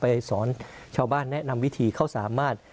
สอนชาวบ้านแนะนำวิธีเขาสามารถ